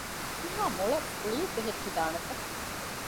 މިހާ މޮޅަށް ފުޅިއެއް ބެހެއްޓިދާނެތަ؟